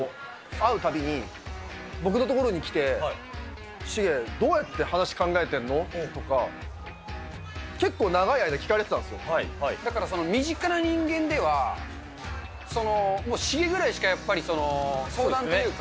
会うたびに、僕のところに来て、シゲ、どうやって話考えてんの？とか、結構長だから身近な人間では、その、もうシゲぐらいしか、やっぱり相談というか。